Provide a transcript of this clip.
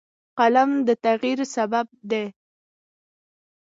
قلم د تغیر سبب دی